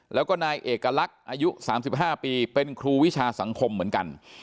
แล้วก็นายเอกลักษณ์อายุ๓๕ปีเป็นครูวิชาสังคมเหมือนกัน